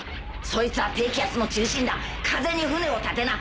そいつは低気圧の中心だ風に船を立てな。